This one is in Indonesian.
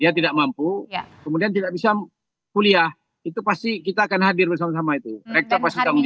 dia tidak mampu kemudian tidak bisa kuliah itu pasti kita akan hadir bersama sama itu pasti tanggung jawab